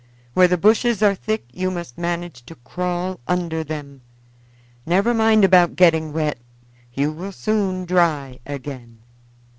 "Where the bushes are thick you must manage to crawl under them. Never mind about getting wet you will soon dry again."